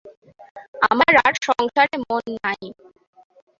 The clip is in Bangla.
আমার আর সংসারে মন নাই।